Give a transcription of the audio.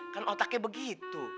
kan otaknya begitu